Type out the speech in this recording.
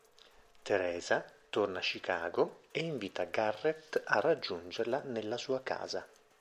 Theresa torna a Chicago e invita Garret a raggiungerla nella sua casa.